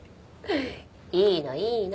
いいのいいの。